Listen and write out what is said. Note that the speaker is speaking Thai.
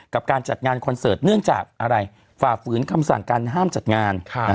การจัดงานคอนเสิร์ตเนื่องจากอะไรฝ่าฝืนคำสั่งการห้ามจัดงาน